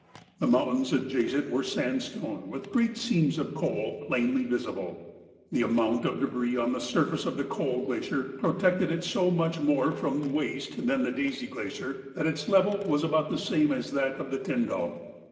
The mountains adjacent were sandstone with great seams of coal plainly visible. The amount of débris on the surface of the Coal Glacier protected it so much more from waste than the Daisy Glacier, that its level was about the same as that of the Tyndall.